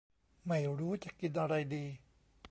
ไม่รู้จะกินอะไรดี